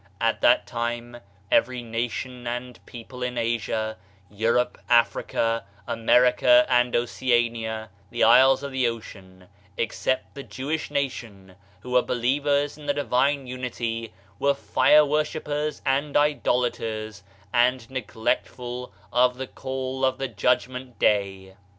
At that time, every nation and people in Asia, Eu rope, Africa, America and Oceania (the isles of the ocean), except the Jewish nation, who were believers in the divine Unity, were fire worship pers and idolaters, and neglectful of the call of the Judgment Day.